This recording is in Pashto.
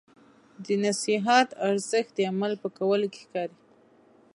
د نصیحت ارزښت د عمل په کولو کې ښکاري.